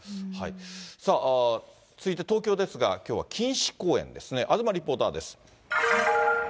さあ、続いて東京ですが、きょうは錦糸公園ですね、東リポーターです。